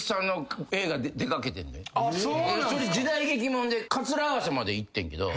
それ時代劇もんでカツラ合わせまでいってんけど。